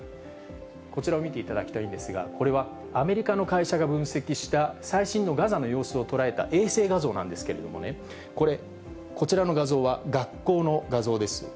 こちらを見ていただきたいんですが、これはアメリカの会社が分析した、最新のガザの様子を捉えた衛星画像なんですけれどもね、これ、こちらの画像は学校の画像です。